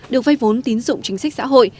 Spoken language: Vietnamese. được vây vốn tín dụng chính sách xã hội